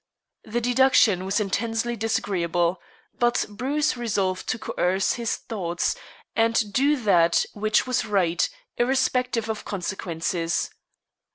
The deduction was intensely disagreeable; but Bruce resolved to coerce his thoughts, and do that which was right, irrespective of consequences.